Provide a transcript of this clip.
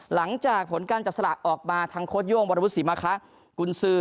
หลังจากผลการจับสละออกมาทางโค้ชโยงบรรพุษศรีมะคะกุญซือ